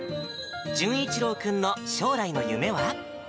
淳一郎君の将来の夢は？